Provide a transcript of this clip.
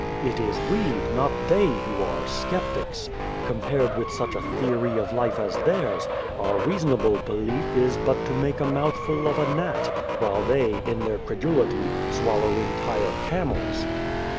It is we, not they, who are 4 sceptics. Compared with such a theory of The Face life as theirs, our reasonable belief is but to make a mouthful of a gnat, while they, in their credulity, swallow entire camels.